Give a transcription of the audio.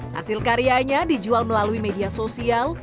hasil karyanya dijual melalui media sosial